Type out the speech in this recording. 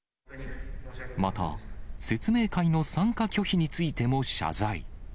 また、説明会の参加拒否についても謝罪。